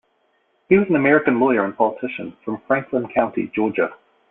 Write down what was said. He was an American lawyer and politician from Franklin County, Georgia.